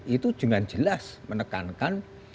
itu dengan jelas menekankan